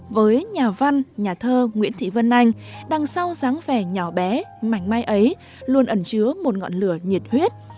với nhà văn nhà thơ nguyễn thị vân anh đằng sau dáng vẻ nhỏ bé mảnh mai ấy luôn ẩn chứa một ngọn lửa nhiệt huyết